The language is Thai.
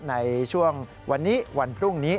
ในช่วงวันนี้วันพรุ่งนี้